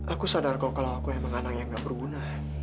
aku sadar kau kalau aku memang anak yang gak berguna